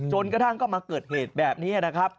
จนกระทั่งก็มาเกิดเหตุแบบนี้นะครับ